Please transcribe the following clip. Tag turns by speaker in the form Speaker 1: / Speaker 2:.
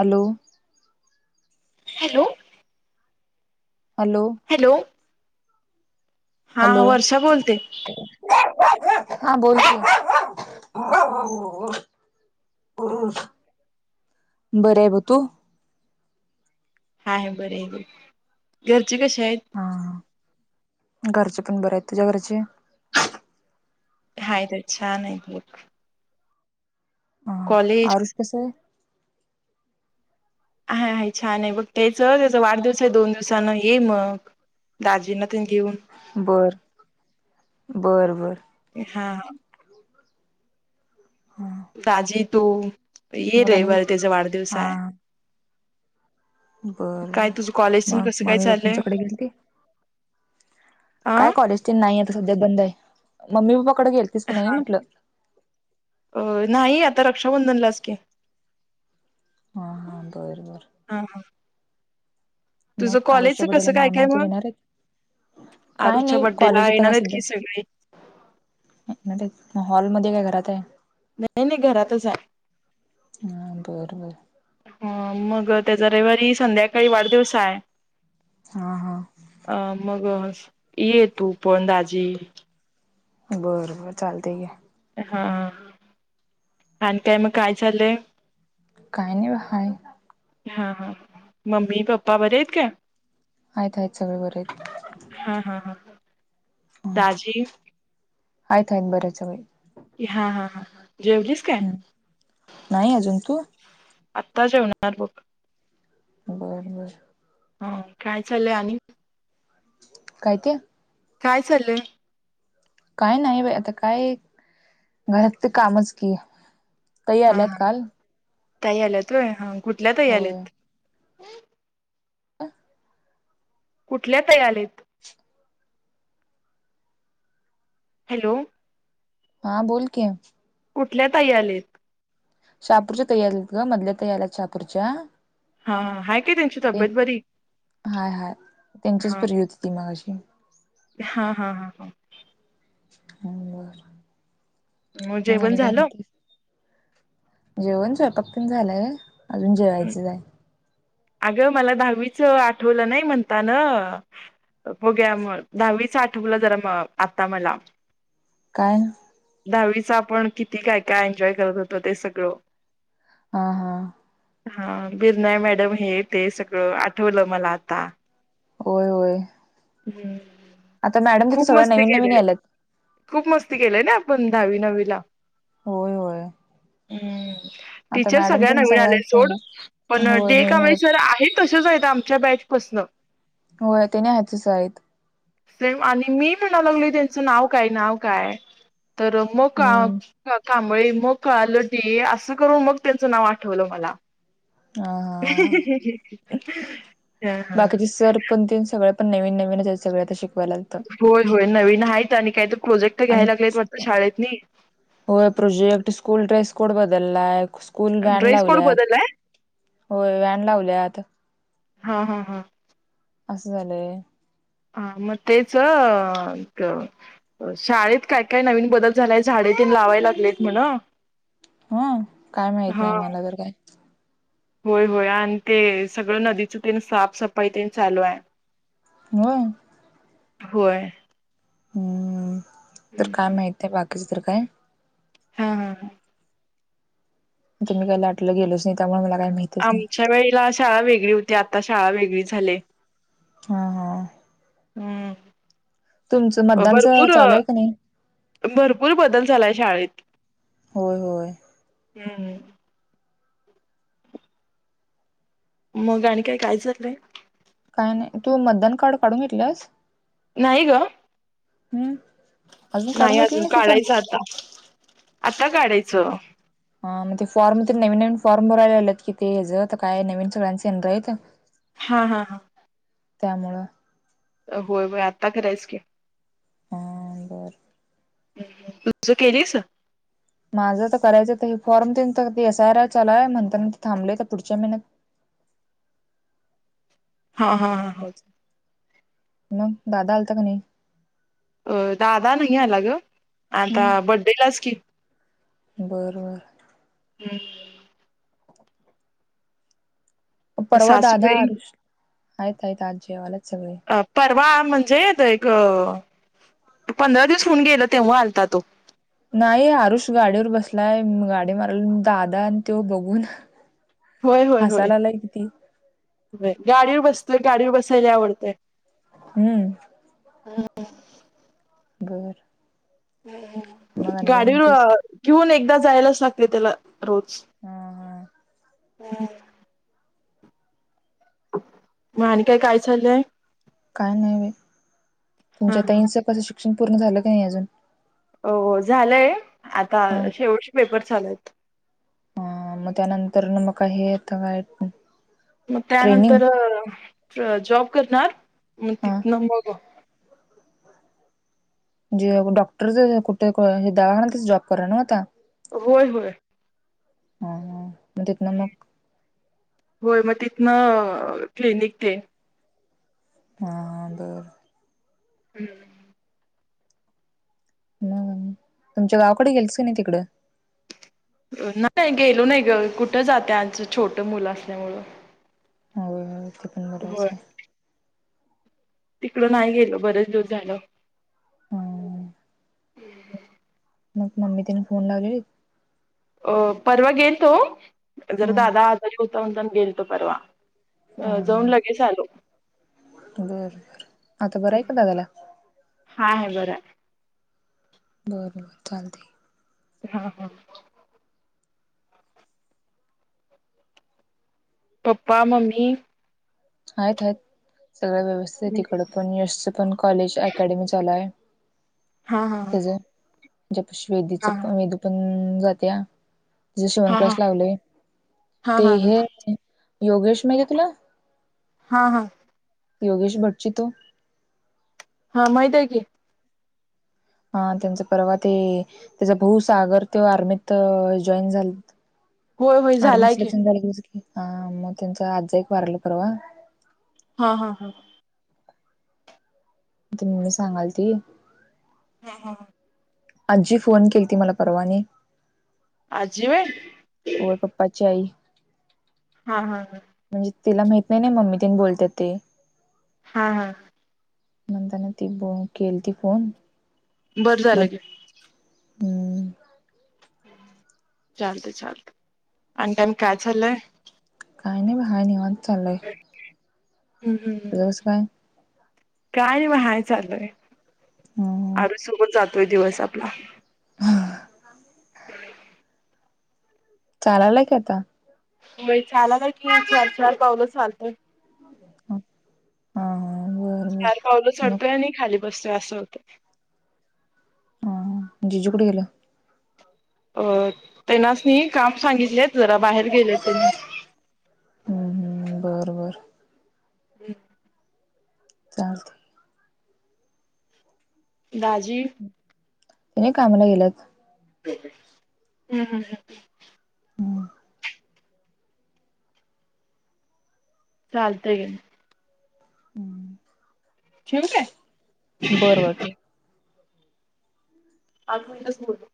Speaker 1: Hello
Speaker 2: hello
Speaker 1: hello.
Speaker 2: Hello हा
Speaker 1: hello
Speaker 2: Varsha बोलते.
Speaker 1: हा बोल. बर आहे ब तू.
Speaker 2: हा बर आहे घरचे कसे आहेत.
Speaker 1: हा घरचे पण बरे आहेत तुझ्या घरचे.
Speaker 2: हाय ते छान आहे.
Speaker 1: हा.
Speaker 2: कॉलेज.
Speaker 1: आरुष कसें आहे.
Speaker 2: हा आहेा छान आहे बघ त्याच त्याचा वाढदिवस आहे दोन दिवसान ये मग. दाजीना त घेऊन.
Speaker 1: बरं बरं बरं.
Speaker 2: हा.
Speaker 1: हां.
Speaker 2: आजी तू ये रहि बर
Speaker 1: कसं?
Speaker 2: त्याचा वाढदिवस
Speaker 1: हा.
Speaker 2: आहे.
Speaker 1: बर
Speaker 2: काय
Speaker 1: बर
Speaker 2: तुझं कॉलेज तेन
Speaker 1: मग
Speaker 2: कसं काय
Speaker 1: मागे
Speaker 2: चाललंय
Speaker 1: तुमच्याकडे गेल ते
Speaker 2: आ
Speaker 1: काय कॉलेज नाही आता सध्या बंद आहे मम्मी पप्पा कडे गेलतीलस की नाही म्हटलं.
Speaker 2: अ नाही आता रक्षाबंधनलाच की
Speaker 1: हा हा बर बरं.
Speaker 2: हा हा.
Speaker 1: मग
Speaker 2: तुझं
Speaker 1: आरुष्या
Speaker 2: कॉलेजच
Speaker 1: बुड्याला
Speaker 2: कसं काय काय
Speaker 1: मामाात
Speaker 2: मग
Speaker 1: येेणार आहे. काय
Speaker 2: आरूच्या
Speaker 1: नाही
Speaker 2: बड्डेला
Speaker 1: कॉलेज येतं
Speaker 2: येणार
Speaker 1: काय
Speaker 2: आहेत
Speaker 1: सध्या
Speaker 2: की सगळे
Speaker 1: ते हॉलमध्येध्ये काय घरात आहे.
Speaker 2: नाही नाही घरातच आहे.
Speaker 1: हा बर बर.
Speaker 2: अ मग त्याचा रविवारी संध्याकाळी वाढदिवसा आहे.
Speaker 1: हा हा.
Speaker 2: अ मग ये तू पणंदाजी
Speaker 1: बर बर चालते आहे.
Speaker 2: हा आणि काय मग काय चायल?
Speaker 1: काही नाही.
Speaker 2: हा ह मम्मी पप्पा बरे आहेत का?
Speaker 1: आहेत आहेत सगळे बर आहेत.
Speaker 2: हा हा हा. दाजी
Speaker 1: आहेत आहेत बरे सगळे.
Speaker 2: हा हा हा. जेवलीस? काय
Speaker 1: हम् नाही अजून तू.
Speaker 2: आत्ता जेवणार बुक
Speaker 1: बरं बरं.
Speaker 2: हा काय चालंय आणि?
Speaker 1: काय ते.
Speaker 2: काय चाललंय?
Speaker 1: काय नाही बाई आता काय घरात ते कामच की. ताई
Speaker 2: हा
Speaker 1: आल्यात
Speaker 2: हा
Speaker 1: काल
Speaker 2: ताई आल्यातय ह कुठल्या ताई
Speaker 1: होय
Speaker 2: आल्यात? कुठल्या ताई आलेत? हॅलो.
Speaker 1: हा बोल की
Speaker 2: कुठल्या ताई आलीत?
Speaker 1: शहापूरच्या तयारी आहेत ग मधल्या तयारी शहापूरच्या.
Speaker 2: हा हा हाय काय त्यांची तब्येत बरी
Speaker 1: हाय हाय त्यांचीच प्रयुती. ती माझी
Speaker 2: हा हा हा हा
Speaker 1: हो बर
Speaker 2: मग जेवण
Speaker 1: आणि काय
Speaker 2: झालं?
Speaker 1: म्हणतीस जेवण स्वयंपाक पण झालंय अजून जेवायचंच आहे.
Speaker 2: अगं मला दहावीच आठवलं नाही म्हणता न. होग्या म दहावीचा आठवीला जरा म आता मला.
Speaker 1: काय?
Speaker 2: दहावीचा आपण किती काय काय एन्जॉय करत होतो ते सगळं.
Speaker 1: हा हा
Speaker 2: हा बिरनाय मॅडम हे ते सगळं आठवलं मला आता.
Speaker 1: होय होय.
Speaker 2: हम्म
Speaker 1: आता मॅडम तिथे
Speaker 2: खूप
Speaker 1: सगं
Speaker 2: मस्ती
Speaker 1: नवीन नवीन
Speaker 2: केले
Speaker 1: आलेत.
Speaker 2: खूप मस्ती केलंय ना आपण दहावी नहावीला?
Speaker 1: होय होय
Speaker 2: हम्
Speaker 1: आता
Speaker 2: टीचर
Speaker 1: मॅडम
Speaker 2: सगळ्या
Speaker 1: तेन
Speaker 2: नवीन आले सोड पण
Speaker 1: होय
Speaker 2: डे का
Speaker 1: नवीन
Speaker 2: वेळे.
Speaker 1: आल्यात.
Speaker 2: तर आहे तशच आहेत आमच्या बॅचपसन.
Speaker 1: होय ते नाही हचच आहेत.
Speaker 2: आणि मी म्हणा लागल त्यांचं नाव काय नाव काय तर मग.
Speaker 1: हम्म.
Speaker 2: कांबळे मग क लटी असं करून मग त्यांचं नाव आठवलं मला.
Speaker 1: हा हा
Speaker 2: हा हा.
Speaker 1: दन तीन सगळ पण नवीन नवीन सगळ शिकवाय लागतं.
Speaker 2: होय होय नवीन आहे आणि काही तर प्रोजेक्ट. घ्यायला
Speaker 1: आणि
Speaker 2: लागलेत वाटतं शाळेतनी.
Speaker 1: होय प्रोजेक्ट स्कूल ड्रेस कोड बदललाय. कुल व्हॅन
Speaker 2: ड्रेस कोड
Speaker 1: लावल्यात
Speaker 2: बदललाय?
Speaker 1: होय व्हॅन लावल्यात.
Speaker 2: हा हा हा
Speaker 1: असं झाले
Speaker 2: हा मग तेच शाळेत काय काय नवीन बदल झालाय झाडे त लावायला लागलेत म्हणा
Speaker 1: हा काय माहत नाही मला तर काही
Speaker 2: होय होय आणि ते सगळं नदीची ते साफसफाई ते चालू आहे
Speaker 1: ह
Speaker 2: होय
Speaker 1: ह् तर काय माहित आहे बाकीचं तर काय
Speaker 2: हा हा हा
Speaker 1: तर मी काही लाटलं गेलच नाही तरण मला काय माहिती
Speaker 2: आमच्या वेळेला शाळा वेगळी होती आता शाळा वेगळी झाली
Speaker 1: हा हा
Speaker 2: हम्म
Speaker 1: तुमचं
Speaker 2: अ
Speaker 1: मतदानचं
Speaker 2: भरपूर
Speaker 1: चालू आहे का नाही
Speaker 2: भरपूर बदल झालाय शाळेत
Speaker 1: होय होय
Speaker 2: हम् हम मग आणि काय काय झाललंय
Speaker 1: काय नाही तू मतदान कार्ड काढून घेतलंस
Speaker 2: नाहीय ग
Speaker 1: हम्म
Speaker 2: नाही अजून काढायचं आता आता काढायचं
Speaker 1: ह मग ते फॉर्म तर नवीन नवीन फॉर्म भरायला आलेत कि ते हजं तर काय नवीन सगळ्यांचे ये रा आहेत
Speaker 2: हा हा ह
Speaker 1: त्यामुळं
Speaker 2: होय बाई आत्ता करायच की
Speaker 1: अ बरं
Speaker 2: तुज केलीस
Speaker 1: माझं त करायचं तर हे फॉर्म तेन तर एस आर आय चालूय म्हणताना ते थांबलंय आता पुढच्या महिन्यात
Speaker 2: हा हा हा हा.
Speaker 1: मग दादा आलता का नाही?
Speaker 2: अ दादा नाही आला ग आता बड्डेलाच कि
Speaker 1: बरं बर
Speaker 2: हम्म
Speaker 1: परवा दादा
Speaker 2: सासूबाई
Speaker 1: अरुष आहेत आहेत आत जेवाल्यात सगळे
Speaker 2: अ परवा म्हणजे देग पंधरा दिवस होऊन गेल तेव्हा आलता त्यो
Speaker 1: नाही आरुष गाडीवर बसलाय म गाडी मारल दादा आण त्यो बघून
Speaker 2: होय होय होय
Speaker 1: हसायला आलाय किती
Speaker 2: होय गाडीवर बसतोय गाडीवर बसाय लय आवडतय.
Speaker 1: हम्म बर
Speaker 2: हम्म हम्म
Speaker 1: मग आणि काय म्हणतेस
Speaker 2: गाडीवर घेऊन एकदा जायलाच लागतय त्याला रोज
Speaker 1: हा हा
Speaker 2: हम्म म आणि काय काय चालंय
Speaker 1: काय नाही बाई
Speaker 2: हा
Speaker 1: तुमच्या
Speaker 2: हा.
Speaker 1: ताईनच पण शिक्षण पूर्ण झालं की नाही अजून
Speaker 2: हो झालंय आता
Speaker 1: हा
Speaker 2: शेवटचे पेपर चालूयत.
Speaker 1: म त्यानंतरन मग काय हे आता काय
Speaker 2: मग
Speaker 1: ट्रेनिंग
Speaker 2: त्यानंतर जॉब करणार म
Speaker 1: हा
Speaker 2: तिथन मग
Speaker 1: जे डॉक्टर ज कुठ कू हे दवाखान्यातच जॉब करा नव त्या
Speaker 2: होय होय
Speaker 1: हा हा मग तिथन मग
Speaker 2: होय मग तिथनं क्लिनिक तेन
Speaker 1: हा हा बर
Speaker 2: हम्म
Speaker 1: हम तुमच्या गावाकड गेलतीस का नाही तिकडं
Speaker 2: नाही गेलो नाही ग कुठं जात्यास छोट मुलं असल्यावर
Speaker 1: होय होय ते पण बरोचय
Speaker 2: तिकडे नाही गेलो बरेच दिवस झालं
Speaker 1: हम्म मग मम्मी तिने फोन लागलेलीत
Speaker 2: अ परवा गेलतो जरा
Speaker 1: हा
Speaker 2: दादा आजारी होता म्हणताना गेलतो परवा. अ
Speaker 1: हा
Speaker 2: जाऊन
Speaker 1: हा
Speaker 2: लगेच आलो.
Speaker 1: बर बर आता बरं आहे का दादाला
Speaker 2: हाय हाय बरय.
Speaker 1: बर बर चालतय.
Speaker 2: हा हा. पप्पा मम्मी
Speaker 1: हायत हायत सगळे व्यवस्तीत हायत ईकड पण यशच पण कॉलेज अकॅडमी चालूय.
Speaker 2: हा हा हा
Speaker 1: जप्श वेदीच पण वेदू पण जात्या. तिज शिवण
Speaker 2: हा
Speaker 1: क्लास
Speaker 2: हा
Speaker 1: लावलय
Speaker 2: हा
Speaker 1: ते
Speaker 2: हा
Speaker 1: हे योगेश माहितीये तुला?
Speaker 2: हा हा.
Speaker 1: योगेश भडजी तो
Speaker 2: हा माहिते कि
Speaker 1: हा त्यांचं पर्वा ते. त्याचा भाऊ सागर ते आर्मीत जॉईन झाल.
Speaker 2: होय होय
Speaker 1: आर्मी
Speaker 2: झालाय की
Speaker 1: सिलेक्शन झाले ग की मग त्यांच आजज एक वारलं परवा.
Speaker 2: हा हा हा.
Speaker 1: त मी सांगाल ती.
Speaker 2: हा हा.
Speaker 1: आजी फोन केली ती मला परवाने.
Speaker 2: आजी म.
Speaker 1: होर पपपाच आई.
Speaker 2: हा हा हा.
Speaker 1: म्हणजे तिला माहित नाही ना मम्मी तिने बोलतात ते.
Speaker 2: हा हा.
Speaker 1: म्हणताना ती ब केली ती फोन
Speaker 2: बरं
Speaker 1: मग
Speaker 2: झालं ग.
Speaker 1: हम्म.
Speaker 2: चालत चालत आणि त्याम काय चाललंय.
Speaker 1: काही नाही बाहेर निह चालय.
Speaker 2: हम्म हम्
Speaker 1: कसं काय
Speaker 2: काय नाही महाय चालूय.
Speaker 1: ह
Speaker 2: अर सोबत जातोय दिवस आपला.
Speaker 1: हा. चचाला लाईक आता.
Speaker 2: म्ह आला का कि चार चार पावलंच चालतय.
Speaker 1: ह.
Speaker 2: चार पावलं चडतोय आणि खाली बसतोय असं होतं.
Speaker 1: ह जिजुकुठ गल.
Speaker 2: अ तेनाच नाही काम सांगितलेत जरा बाहेर गेले त्यां.
Speaker 1: हम्म हम् बर बर.
Speaker 2: हम्
Speaker 1: च
Speaker 2: भााजी
Speaker 1: त नाही कामला गेल्यात
Speaker 2: हम्म हम ह चालत गेल
Speaker 1: हम्म
Speaker 2: शेव काय
Speaker 1: बरं वाट
Speaker 2: आठ मिनटच बर